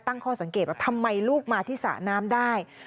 ตั้งข้อสังเกตว่าทำไมลูกมาที่สระน้ำได้